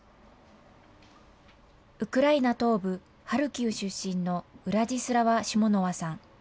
ウクライナ東部ハルキウ出身のウラジスラワ・シモノワさん。